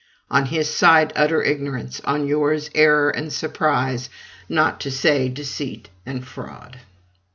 On his side, utter ignorance; on yours, error and surprise, not to say deceit and fraud.